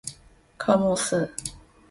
科目四